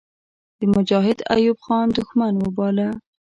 د مجاهد ایوب خان دښمن وباله.